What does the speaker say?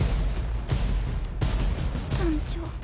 団長。